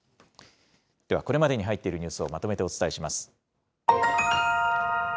では、これまでに入っているニュースをまとめてお伝えします。